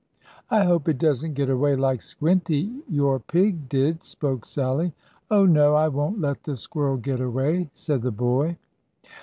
"I hope it doesn't get away like Squinty, your pig, did," spoke Sallie. "Oh, no, I won't let the squirrel get away," said the boy.